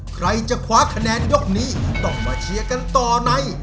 ใครจะคว้าคะแนนยกนี้ต้องมาเชียร์กันต่อใน